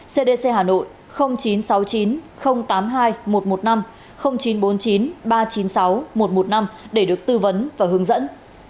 cdc hà nội chín trăm sáu mươi chín tám mươi hai một trăm một mươi năm chín trăm bốn mươi chín ba trăm chín mươi sáu một trăm một mươi năm để được tư vấn và hướng dẫn